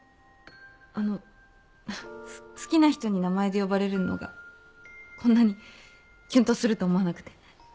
あのすっ好きな人に名前で呼ばれるのがこんなにきゅんとすると思わなくて。